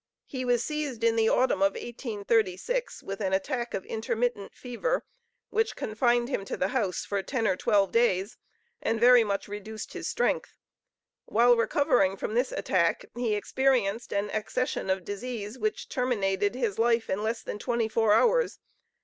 He was seized in the autumn of 1836, with an attack of intermittent fever, which confined him to the house for ten or twelve days, and very much reduced his strength; while recovering from this attack, he experienced an accession of disease which terminated his life in less than twenty four hours.